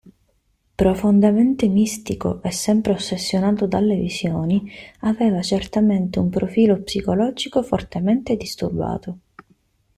Profondamente mistico e sempre ossessionato dalle visioni, aveva certamente un profilo psicologico fortemente disturbato.